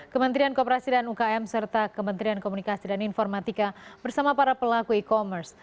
kementerian kooperasi dan ukm serta kementerian komunikasi dan informatika bersama para pelaku e commerce